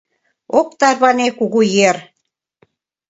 Ок тарване кугу ер.